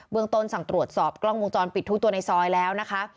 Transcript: เมืองต้นสั่งตรวจสอบกล้องวงจรปิดทุกตัวในซอยแล้วนะคะ